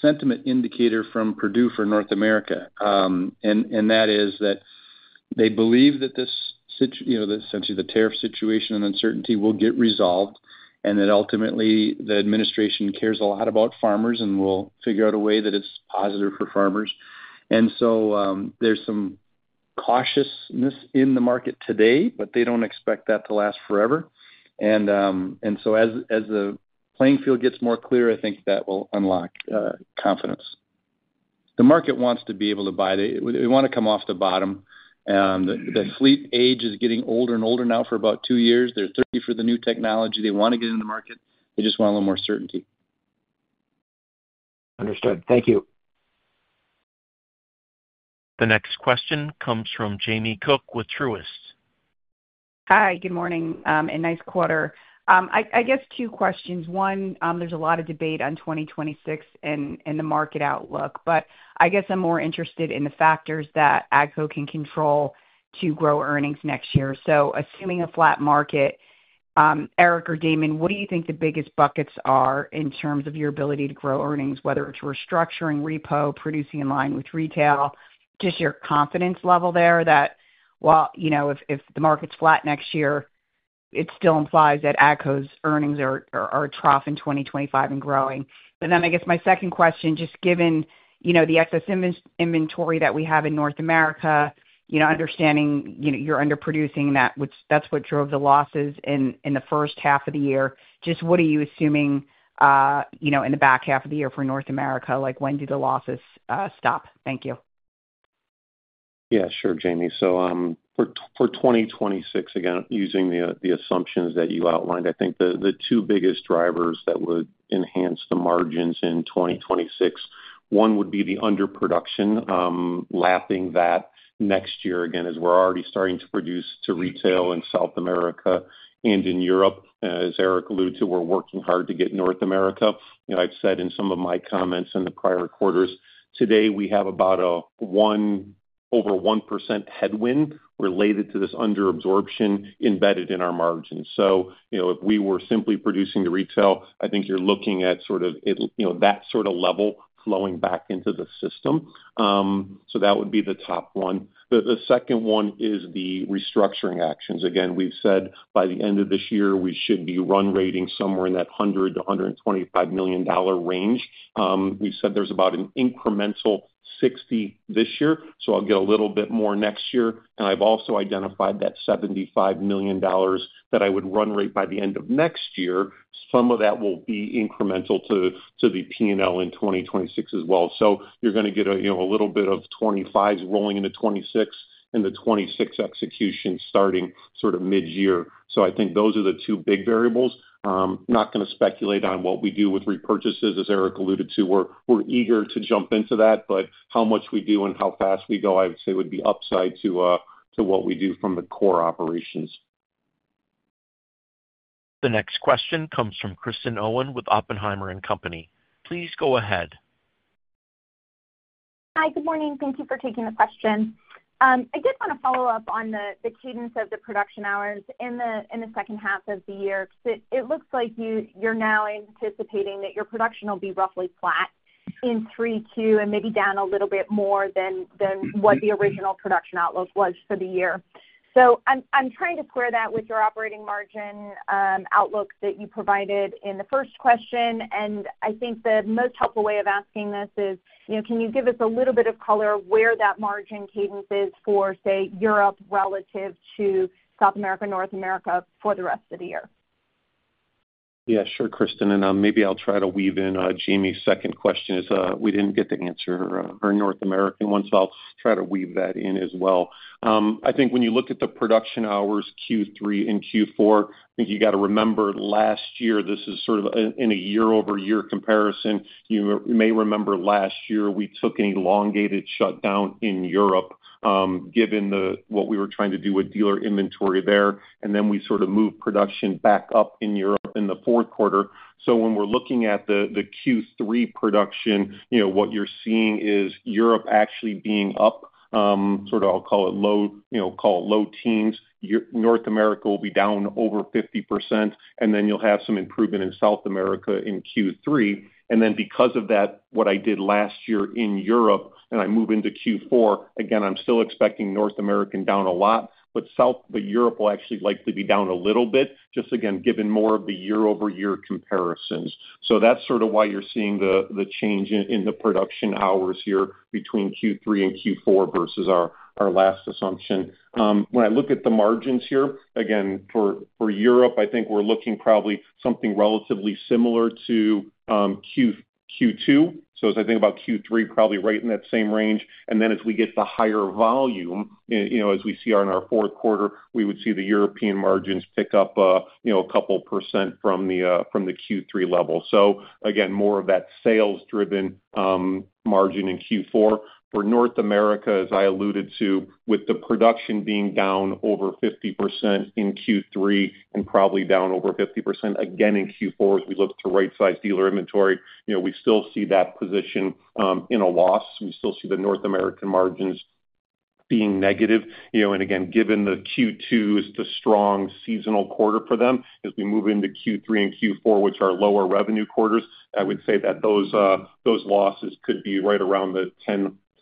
sentiment indicator from Purdue for North America. That is that they believe that this, essentially the tariff situation and uncertainty, will get resolved, and that ultimately the administration cares a lot about farmers and will figure out a way that it's positive for farmers. There's some cautiousness in the market today, but they don't expect that to last forever. As the playing field gets more clear, I think that will unlock confidence. The market wants to be able to buy. They want to come off the bottom. The fleet age is getting older and older now for about two years. They're thirsty for the new technology. They want to get in the market. They just want a little more certainty. Understood. Thank you. The next question comes from Jamie Cook with Truist. Hi, good morning. A nice quarter. I guess two questions. One, there's a lot of debate on 2026 and the market outlook, but I guess I'm more interested in the factors that AGCO can control to grow earnings next year. Assuming a flat market, Eric or Damon, what do you think the biggest buckets are in terms of your ability to grow earnings, whether it's restructuring, repo, producing in line with retail, just your confidence level there that, if the market's flat next year, it still implies that AGCO's earnings are a trough in 2025 and growing. My second question, just given the excess inventory that we have in North America, understanding you're underproducing that, which is what drove the losses in the first half of the year. What are you assuming in the back half of the year for North America? When do the losses stop? Thank you. Yeah, sure, Jamie. For 2026, again, using the assumptions that you outlined, I think the two biggest drivers that would enhance the margins in 2026, one would be the underproduction, lapping that next year again, as we're already starting to produce to retail in South America and in Europe. As Eric alluded to, we're working hard to get North America. I've said in some of my comments in the prior quarters, today we have about a 1% headwind related to this under absorption embedded in our margins. If we were simply producing to retail, I think you're looking at that sort of level flowing back into the system. That would be the top one. The second one is the restructuring actions. We've said by the end of this year, we should be run rating somewhere in that $100 to $125 million range. We've said there's about an incremental $60 million this year, so I'll get a little bit more next year. I've also identified that $75 million that I would run rate by the end of next year. Some of that will be incremental to the P&L in 2026 as well. You're going to get a little bit of $25 million rolling into 2026 and the 2026 execution starting mid-year. I think those are the two big variables. I'm not going to speculate on what we do with repurchases, as Eric alluded to. We're eager to jump into that, but how much we do and how fast we go, I would say would be upside to what we do from the core operations. The next question comes from Kristen Owen with Oppenheimer and Company. Please go ahead. Hi, good morning. Thank you for taking the question. I did want to follow up on the cadence of the production hours in the second half of the year. It looks like you're now anticipating that your production will be roughly flat in 3Q and maybe down a little bit more than what the original production outlook was for the year. I'm trying to square that with your operating margin outlook that you provided in the first question. I think the most helpful way of asking this is, you know, can you give us a little bit of color where that margin cadence is for, say, Europe relative to South America, North America for the rest of the year? Yeah, sure, Kristen. Maybe I'll try to weave in Jamie's second question as we didn't get to answer her North American one. I'll try to weave that in as well. I think when you look at the production hours Q3 and Q4, you got to remember last year, this is sort of in a year-over-year comparison. You may remember last year we took an elongated shutdown in Europe, given what we were trying to do with dealer inventory there. We sort of moved production back up in Europe in the fourth quarter. When we're looking at the Q3 production, what you're seeing is Europe actually being up, I'll call it low, call it low teens. North America will be down over 50%. You'll have some improvement in South America in Q3. Because of that, what I did last year in Europe and I move into Q4, I'm still expecting North America down a lot, but Europe will actually likely be down a little bit, just given more of the year-over-year comparisons. That's why you're seeing the change in the production hours here between Q3 and Q4 versus our last assumption. When I look at the margins here, for Europe, I think we're looking probably something relatively similar to Q2. As I think about Q3, probably right in that same range. As we get the higher volume, as we see on our fourth quarter, we would see the European margins pick up a couple percent from the Q3 level. More of that sales-driven margin in Q4. For North America, as I alluded to, with the production being down over 50% in Q3 and probably down over 50% again in Q4, as we look to right-size dealer inventory, we still see that position in a loss. We still see the North American margins being negative. Given the Q2 is the strong seasonal quarter for them, as we move into Q3 and Q4, which are lower revenue quarters, I would say that those losses could be right around the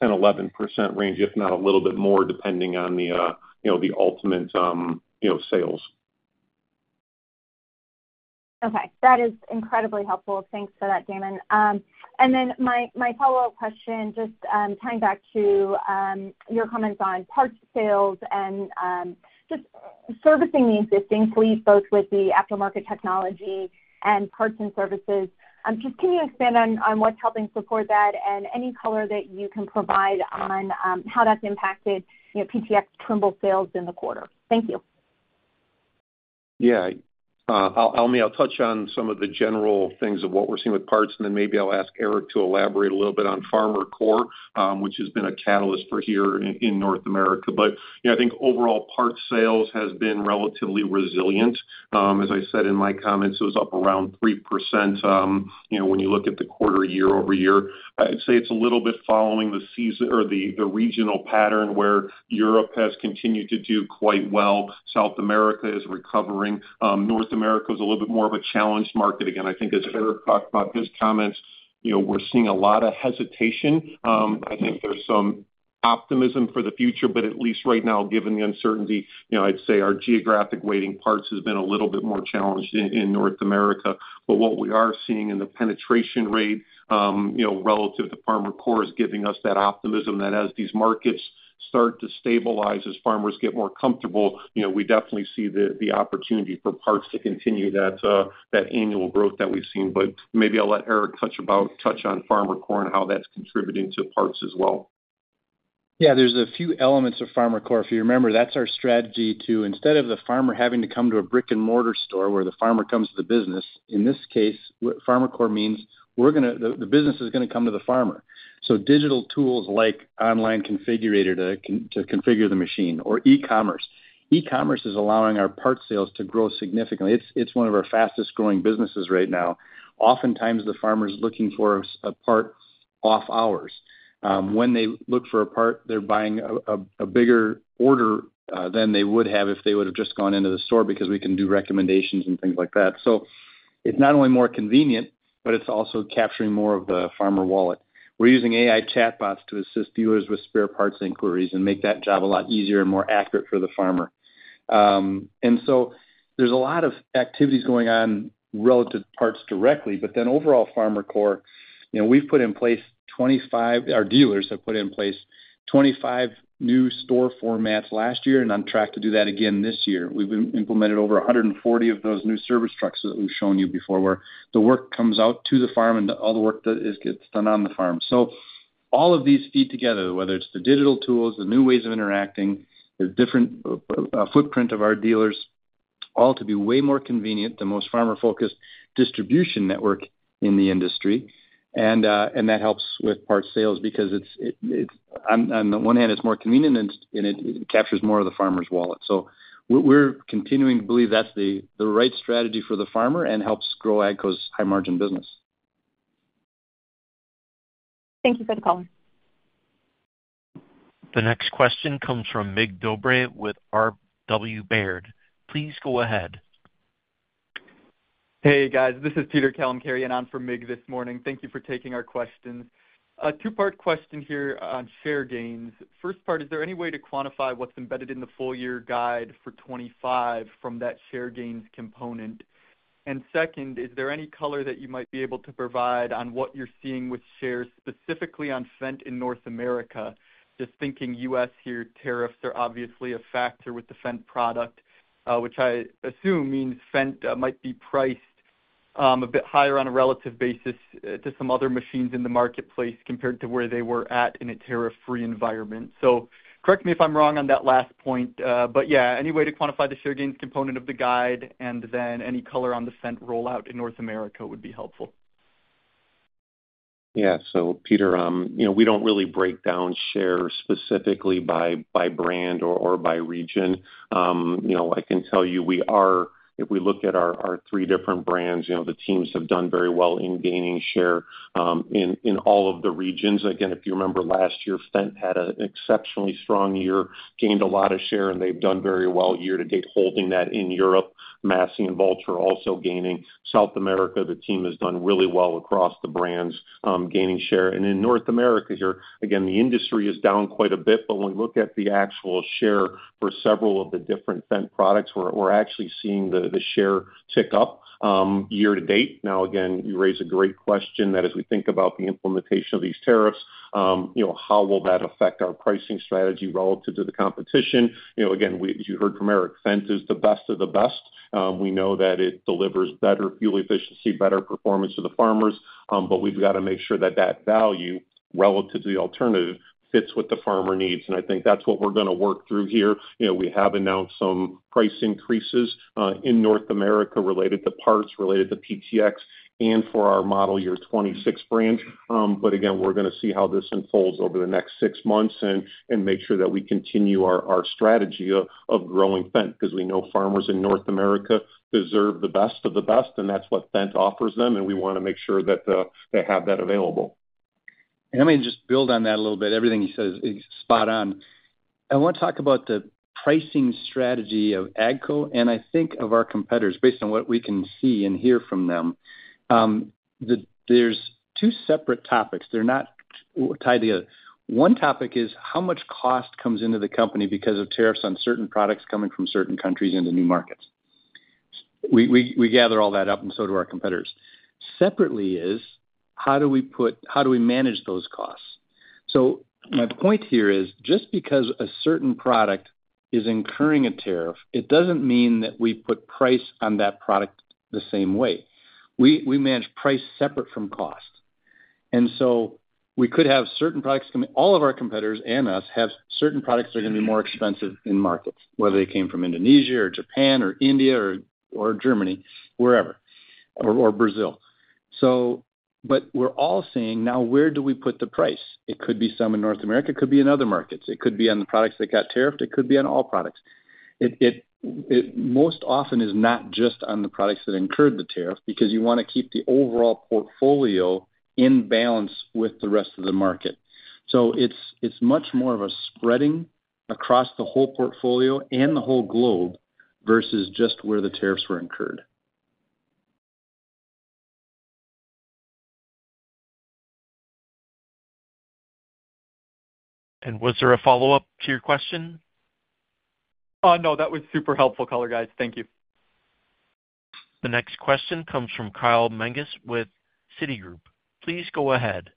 10%, 11% range, if not a little bit more, depending on the ultimate sales. Okay. That is incredibly helpful. Thanks for that, Damon. My follow-up question, just tying back to your comments on parts sales and just servicing the existing fleet, both with the aftermarket technology and parts and services. Can you expand on what's helping support that and any color that you can provide on how that's impacted, you know, PTx Trimble sales in the quarter? Thank you. Yeah. I'll touch on some of the general things of what we're seeing with parts, and then maybe I'll ask Eric to elaborate a little bit on FarmerCore, which has been a catalyst here in North America. I think overall parts sales have been relatively resilient. As I said in my comments, it was up around 3% when you look at the quarter year-over-year. I'd say it's a little bit following the season or the regional pattern where Europe has continued to do quite well. South America is recovering. North America is a little bit more of a challenged market. I think as Eric talked about in his comments, we're seeing a lot of hesitation. I think there's some optimism for the future, but at least right now, given the uncertainty, I'd say our geographic weighting parts has been a little bit more challenged in North America. What we are seeing in the penetration rate relative to FarmerCore is giving us that optimism that as these markets start to stabilize, as farmers get more comfortable, we definitely see the opportunity for parts to continue that annual growth that we've seen. Maybe I'll let Eric touch on FarmerCore and how that's contributing to parts as well. Yeah, there's a few elements of FarmerCore. If you remember, that's our strategy to, instead of the farmer having to come to a brick-and-mortar store where the farmer comes to the business, in this case, FarmerCore means we're going to, the business is going to come to the farmer. Digital tools like online configurator to configure the machine or e-commerce. E-commerce is allowing our part sales to grow significantly. It's one of our fastest growing businesses right now. Oftentimes, the farmer's looking for a part off hours. When they look for a part, they're buying a bigger order than they would have if they would have just gone into the store because we can do recommendations and things like that. It's not only more convenient, but it's also capturing more of the farmer wallet. We're using AI chatbots to assist dealers with spare parts inquiries and make that job a lot easier and more accurate for the farmer. There's a lot of activities going on relative to parts directly, but then overall FarmerCore, you know, we've put in place 25, our dealers have put in place 25 new store formats last year and on track to do that again this year. We've implemented over 140 of those new service trucks that we've shown you before, where the work comes out to the farm and all the work that gets done on the farm. All of these feed together, whether it's the digital tools, the new ways of interacting, the different footprint of our dealers, all to be way more convenient than most farmer-focused distribution networks in the industry. That helps with part sales because it's, on the one hand, it's more convenient and it captures more of the farmer's wallet. We're continuing to believe that's the right strategy for the farmer and helps grow AGCO's high-margin business. Thank you for the call. The next question comes from Mig Dobre with RW Baird. Please go ahead. Hey guys, this is Peter Kalemkerian and I'm from Mig this morning. Thank you for taking our questions. A two-part question here on share gains. First part, is there any way to quantify what's embedded in the full-year guide for 2025 from that share gains component? Second, is there any color that you might be able to provide on what you're seeing with shares specifically on Fendt in North America? Just thinking U.S. here, tariffs are obviously a factor with the Fendt product, which I assume means Fendt might be priced a bit higher on a relative basis to some other machines in the marketplace compared to where they were at in a tariff-free environment. Correct me if I'm wrong on that last point, but yeah, any way to quantify the share gains component of the guide and then any color on the Fendt rollout in North America would be helpful. Yeah, so Peter, you know, we don't really break down share specifically by brand or by region. I can tell you we are, if we look at our three different brands, the teams have done very well in gaining share in all of the regions. Again, if you remember last year, Fendt had an exceptionally strong year, gained a lot of share, and they've done very well year to date holding that in Europe. Massey and Valtra also gaining. South America, the team has done really well across the brands, gaining share. In North America here, again, the industry is down quite a bit, but when we look at the actual share for several of the different Fendt products, we're actually seeing the share tick up year to date. Now, you raise a great question that as we think about the implementation of these tariffs, how will that affect our pricing strategy relative to the competition? As you heard from Eric, Fendt is the best of the best. We know that it delivers better fuel efficiency, better performance to the farmers, but we've got to make sure that that value relative to the alternative fits with the farmer needs. I think that's what we're going to work through here. We have announced some price increases in North America related to parts, related to PTx Trimble, and for our model year 2026 brand. We're going to see how this unfolds over the next six months and make sure that we continue our strategy of growing Fendt because we know farmers in North America deserve the best of the best, and that's what Fendt offers them, and we want to make sure that they have that available. Let me just build on that a little bit. Everything you said is spot on. I want to talk about the pricing strategy of AGCO and I think of our competitors based on what we can see and hear from them. There are two separate topics. They are not tied together. One topic is how much cost comes into the company because of tariffs on certain products coming from certain countries into new markets. We gather all that up and so do our competitors. Separately is how do we put, how do we manage those costs? My point here is just because a certain product is incurring a tariff, it does not mean that we put price on that product the same way. We manage price separate from cost. We could have certain products coming, all of our competitors and us have certain products that are going to be more expensive in markets, whether they came from Indonesia or Japan or India or Germany or Brazil. We are all saying now where do we put the price? It could be some in North America, it could be in other markets, it could be on the products that got tariffed, it could be on all products. It most often is not just on the products that incurred the tariff because you want to keep the overall portfolio in balance with the rest of the market. It is much more of a spreading across the whole portfolio and the whole globe versus just where the tariffs were incurred. Was there a follow-up to your question? No, that was super helpful color, guys. Thank you. The next question comes from Kyle Menges with Citigroup. Please go ahead.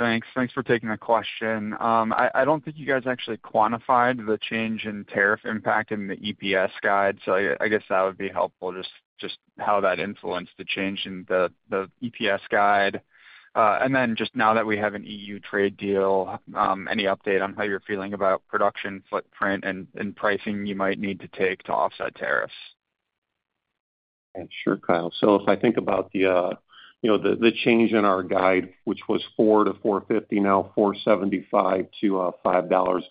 Thanks. Thanks for taking the question. I don't think you guys actually quantified the change in tariff impact in the EPS guide, so I guess that would be helpful, just how that influenced the change in the EPS guide. Now that we have an EU trade deal, any update on how you're feeling about production footprint and pricing you might need to take to offset tariffs? Sure, Kyle. If I think about the change in our guide, which was $4 to $4.50, now $4.75 to $5,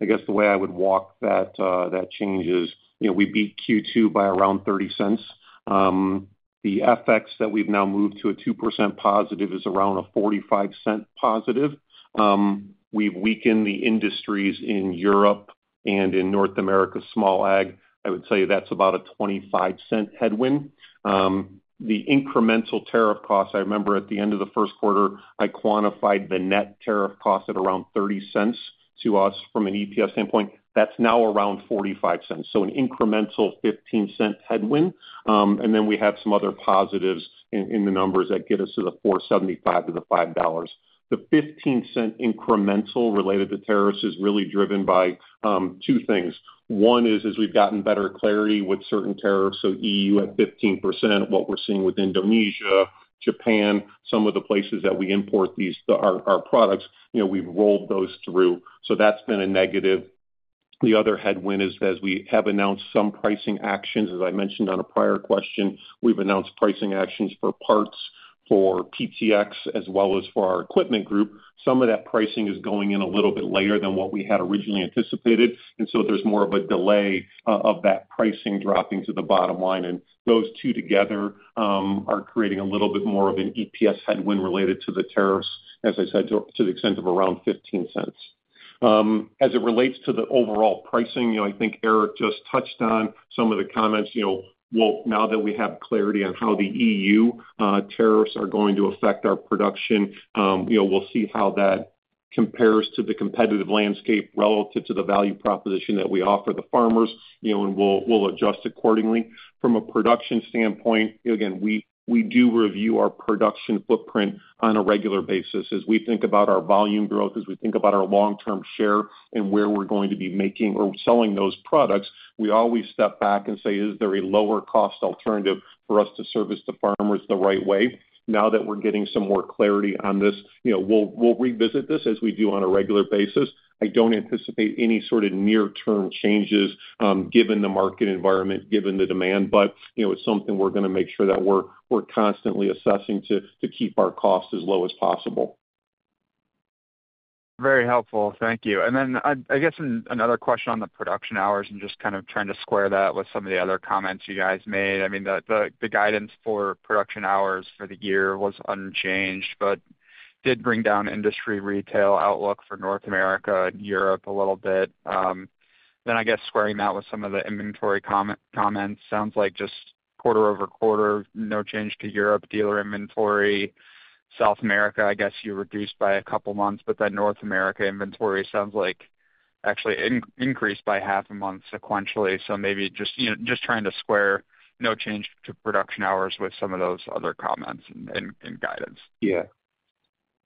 I guess the way I would walk that change is, we beat Q2 by around $0.30. The FX that we've now moved to a 2% positive is around a $0.45 positive. We've weakened the industries in Europe and in North America small ag. I would say that's about a $0.25 headwind. The incremental tariff cost, I remember at the end of the first quarter, I quantified the net tariff cost at around $0.30 to us from an EPS standpoint. That's now around $0.45, so an incremental $0.15 headwind. We have some other positives in the numbers that get us to the $4.75 to the $5. The $0.15 incremental related to tariffs is really driven by two things. One is as we've gotten better clarity with certain tariffs, so EU at 15%, what we're seeing with Indonesia, Japan, some of the places that we import our products, we've rolled those through. That's been a negative. The other headwind is that as we have announced some pricing actions, as I mentioned on a prior question, we've announced pricing actions for parts for PTx as well as for our equipment group. Some of that pricing is going in a little bit later than what we had originally anticipated, so there's more of a delay of that pricing dropping to the bottom line. Those two together are creating a little bit more of an EPS headwind related to the tariffs, as I said, to the extent of around $0.15. As it relates to the overall pricing, I think Eric just touched on some of the comments. Now that we have clarity on how the EU tariffs are going to affect our production, we'll see how that compares to the competitive landscape relative to the value proposition that we offer the farmers, and we'll adjust accordingly. From a production standpoint, we do review our production footprint on a regular basis. As we think about our volume growth, as we think about our long-term share and where we're going to be making or selling those products, we always step back and say, is there a lower cost alternative for us to service the farmers the right way? Now that we're getting some more clarity on this, we'll revisit this as we do on a regular basis. I don't anticipate any sort of near-term changes given the market environment, given the demand, but it's something we're going to make sure that we're constantly assessing to keep our costs as low as possible. Very helpful. Thank you. I guess another question on the production hours and just kind of trying to square that with some of the other comments you guys made. I mean, the guidance for production hours for the year was unchanged, but did bring down industry retail outlook for North America and Europe a little bit. I guess squaring that with some of the inventory comments sounds like just quarter over quarter, no change to Europe dealer inventory. South America, I guess you reduced by a couple of months, but then North America inventory sounds like actually increased by half a month sequentially. Maybe just trying to square no change to production hours with some of those other comments and guidance. Yeah.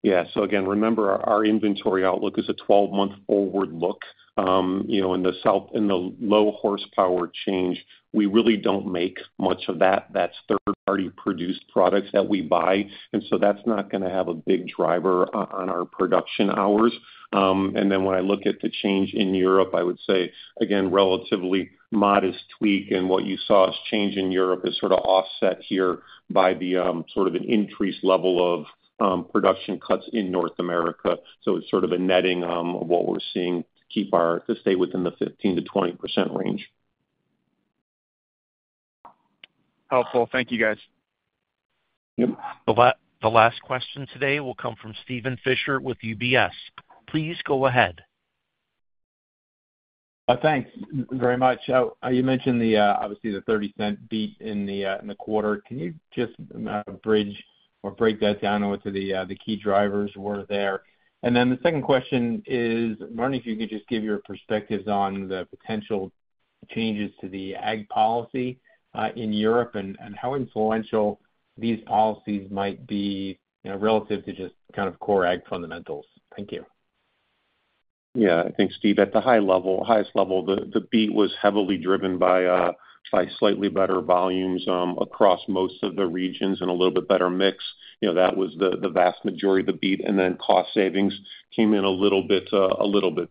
Yeah. Remember our inventory outlook is a 12-month forward look. You know, in the low horsepower change, we really don't make much of that. That's third-party produced products that we buy, and that's not going to have a big driver on our production hours. When I look at the change in Europe, I would say, again, relatively modest tweak. What you saw as change in Europe is sort of offset here by the sort of an increased level of production cuts in North America. It's sort of a netting of what we're seeing to keep our to stay within the 15% to 20% range. Helpful. Thank you, guys. Yep. The last question today will come from Steven Fisher with UBS. Please go ahead. Thanks very much. You mentioned the obviously the $0.30 beat in the quarter. Can you just bridge or break that down to what the key drivers were there? The second question is, I'm wondering if you could just give your perspectives on the potential changes to the ag policy in Europe and how influential these policies might be relative to just kind of core ag fundamentals. Thank you. Yeah, I think Steve, at the highest level, the beat was heavily driven by slightly better volumes across most of the regions and a little bit better mix. That was the vast majority of the beat. Cost savings came in a little bit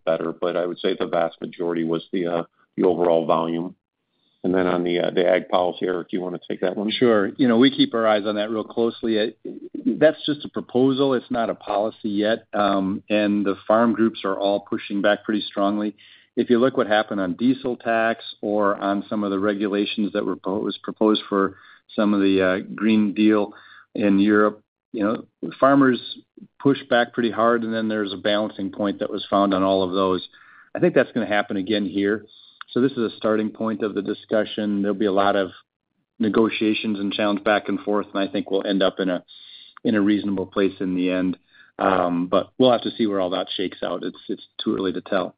better, but I would say the vast majority was the overall volume. On the ag policy, Eric, do you want to take that one? Sure. You know, we keep our eyes on that real closely. That's just a proposal. It's not a policy yet. The farm groups are all pushing back pretty strongly. If you look at what happened on diesel tax or on some of the regulations that were proposed for some of the Green Deal in Europe, you know, farmers pushed back pretty hard. There is a balancing point that was found on all of those. I think that's going to happen again here. This is a starting point of the discussion. There will be a lot of negotiations and challenge back and forth, and I think we'll end up in a reasonable place in the end. We'll have to see where all that shakes out. It's too early to tell.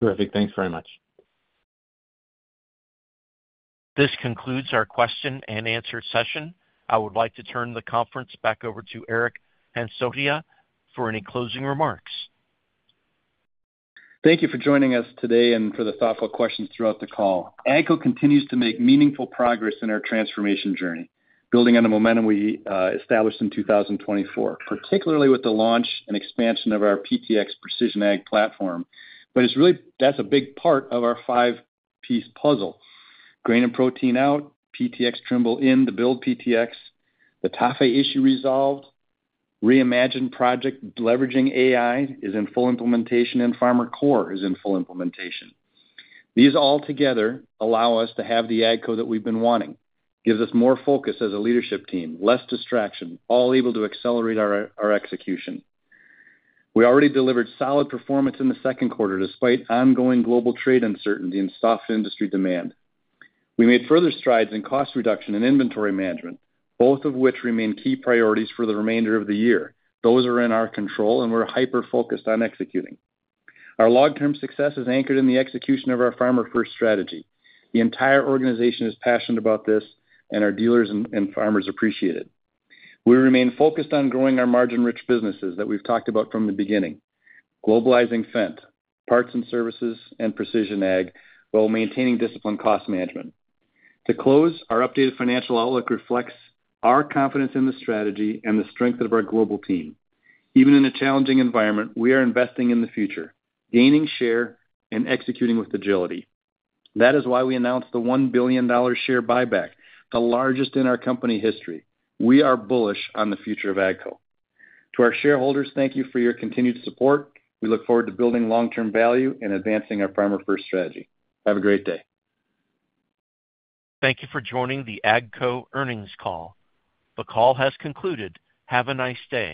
Terrific. Thanks very much. This concludes our question and answer session. I would like to turn the conference back over to Eric Hansotia for any closing remarks. Thank you for joining us today and for the thoughtful questions throughout the call. AGCO continues to make meaningful progress in our transformation journey, building on the momentum we established in 2024, particularly with the launch and expansion of our PTx Precision Ag Platform. That's a big part of our five-piece puzzle. Grain and protein out, PTx Trimble in to build PTx, the TAFE issue resolved, Reimagine project leveraging AI is in full implementation, and FarmerCore is in full implementation. These all together allow us to have the AGCO that we've been wanting. It gives us more focus as a leadership team, less distraction, all able to accelerate our execution. We already delivered solid performance in the second quarter despite ongoing global trade uncertainty and soft industry demand. We made further strides in cost reduction and inventory management, both of which remain key priorities for the remainder of the year. Those are in our control, and we're hyper-focused on executing. Our long-term success is anchored in the execution of our Farmer First strategy. The entire organization is passionate about this, and our dealers and farmers appreciate it. We remain focused on growing our margin-rich businesses that we've talked about from the beginning, globalizing Fendt, parts and services, and Precision Ag while maintaining disciplined cost management. To close, our updated financial outlook reflects our confidence in the strategy and the strength of our global team. Even in a challenging environment, we are investing in the future, gaining share, and executing with agility. That is why we announced the $1 billion share buyback, the largest in our company history. We are bullish on the future of AGCO. To our shareholders, thank you for your continued support. We look forward to building long-term value and advancing our Farmer First strategy. Have a great day. Thank you for joining the AGCO earnings call. The call has concluded. Have a nice day.